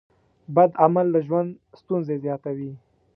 بد عمل د ژوند ستونزې زیاتوي.